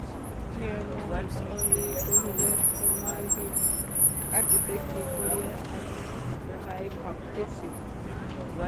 ক্ষেমংকরী কহিলেন, তোমার দিন কাটিবে কী করিয়া আমি তাই ভাবিতেছি।